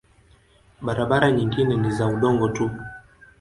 Barabara nyingine ni za udongo tu.